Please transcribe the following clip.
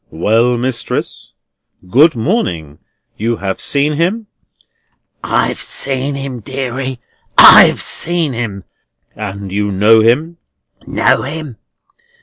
"Well, mistress. Good morning. You have seen him?" "I've seen him, deary; I've seen him!" "And you know him?" "Know him!